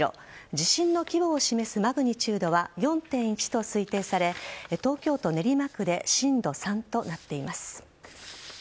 地震の規模を示すマグニチュードは４．１と推定され東京都練馬区で震度３となっています。